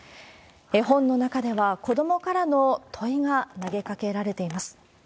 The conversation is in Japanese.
絵本の中では、子どもからの問いが投げかけられています。